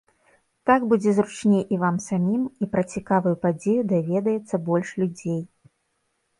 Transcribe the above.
Так будзе зручней і вам самім, і пра цікавую падзею даведаецца больш людзей.